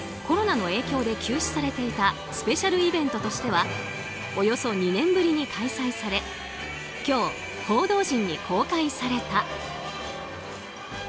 コロナの影響で休止されていたスペシャルイベントとしてはおよそ２年ぶりに開催され今日、報道陣に公開された。